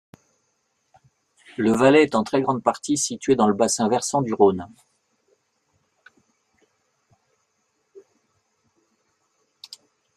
Le Valais est en très grande partie situé dans le bassin versant du Rhône.